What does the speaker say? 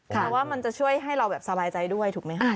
แต่ว่ามันจะช่วยให้เราแบบสบายใจด้วยถูกไหมคะ